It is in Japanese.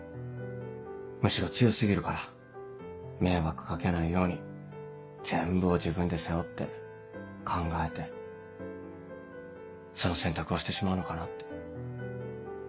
むしろ強過ぎるから迷惑かけないように全部を自分で背負って考えてその選択をしてしまうのかなって。